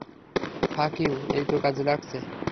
ফাক ইউ -এইতো কাজে লাগছে।